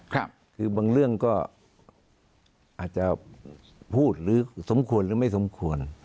คือบางเรื่องก็อาจจะพูดหรือสมควรหรือไม่สมควร